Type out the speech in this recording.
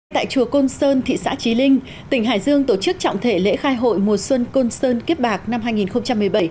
tại chùa côn sơn thị xã trí linh tỉnh hải dương tổ chức trọng thể lễ khai hội mùa xuân côn sơn kiếp bạc năm hai nghìn một mươi bảy